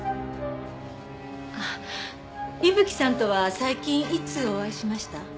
あっ伊吹さんとは最近いつお会いしました？